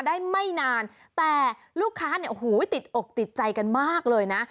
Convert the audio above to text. ได้ไม่นานแต่ลูกค้าเนี่ยโอ้โหติดอกติดใจกันมากเลยนะ